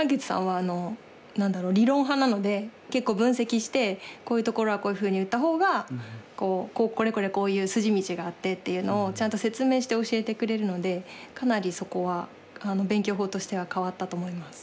結構分析してこういうところはこういうふうに打った方がこれこれこういう筋道があってっていうのをちゃんと説明して教えてくれるのでかなりそこは勉強法としては変わったと思います。